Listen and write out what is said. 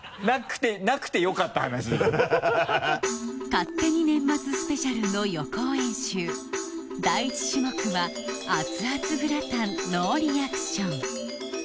勝手に年末スペシャルの予行演習第１種目は「熱々グラタンノーリアクション」